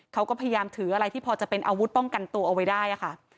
เขาก็พยายามถืออะไรที่พอจะเป็นอาวุธป้องกันตัวเอาไว้ได้ค่ะ